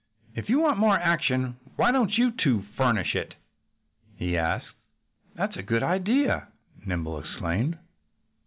"If you want more action why don't you two furnish it?" he asked. "That's a good idea!" Nimble exclaimed.